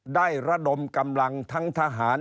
ระดมกำลังทั้งทหาร